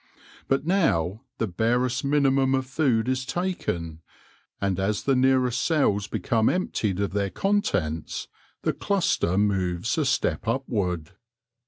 But now the barest minimum of food is taken, and as the nearest cells become emptied of their contents, the cluster moves a step upward.